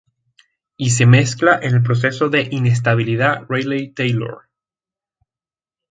Y se mezcla en el proceso de inestabilidad Rayleigh-Taylor.